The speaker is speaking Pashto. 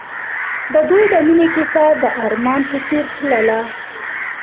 د دوی د مینې کیسه د آرمان په څېر تلله.